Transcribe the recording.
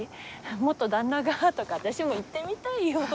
元旦那がとか私も言ってみたいよ。